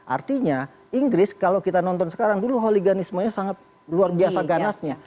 artinya inggris kalau kita nonton sekarang dulu holiganismenya sangat luar biasa ganasnya